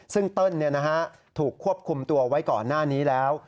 ซึ่งเติ้ลถูกควบคุมตัวไว้ก่อนหน้านี้แล้ว